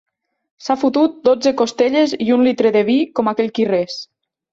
S'ha fotut dotze costelles i un litre de vi com aquell qui res!